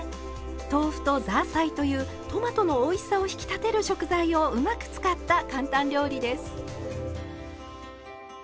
豆腐とザーサイというトマトのおいしさを引き立てる食材をうまく使った簡単料理です。